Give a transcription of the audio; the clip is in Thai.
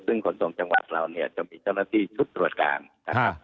ซึ่งขนส่งจังหวัดเราเนี่ยจะมีเจ้าหน้าที่ชุดตรวจกลางนะครับ